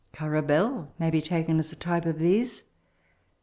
Ourrer Bell may be taken as a type of these.